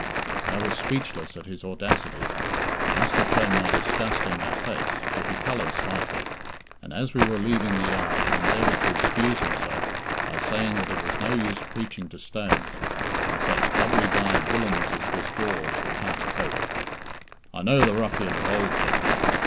I was speechless at his audacity, and must have shown my disgust in my face, for he coloured slightly, and as we were leaving the yard, he endeavoured to excuse himself, by saying that it was no use preaching to stones, and such doubly dyed villains as this Dawes were past hope. "I know the ruffian of old," said he.